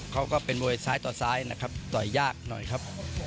ก็เป็นมวยซ้ายต่อซ้ายนะครับต่อยยากหน่อยครับ